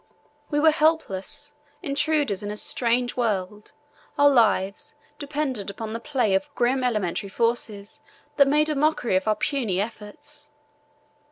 We were helpless intruders in a strange world, our lives dependent upon the play of grim elementary forces that made a mock of our puny efforts.